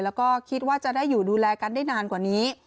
แล้วก็คิดว่าจะได้อยู่ดูแลกันได้นานกว่านี้